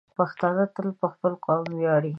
پښتانه تل په خپل قوم ویاړي.